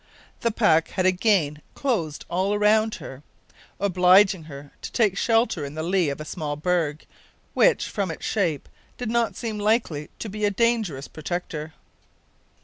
The pack had again closed all around her, obliging her to take shelter in the lee of a small berg, which, from its shape, did not seem likely to be a dangerous protector.